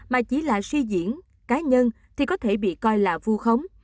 mà chỉ là suy diễn cá nhân thì có thể bị coi là vu khống